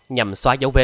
nhằm xóa dấu vết